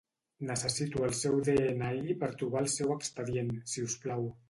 Necessito el seu de-ena-i per trobar el seu expedient, si us plau.